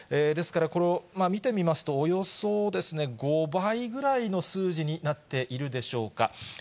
ですから、これを見てみますと、およそ５倍ぐらいの数字になっているでしょうか。